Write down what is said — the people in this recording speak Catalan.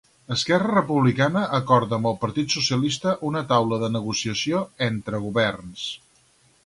Esquerra Republicana acorda amb el Partit Socialista una taula de negociació entre governs.